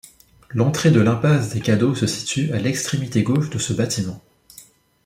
L'entrée de l'impasse des Cadeaux se situe à l'extrémité gauche de ce bâtiment.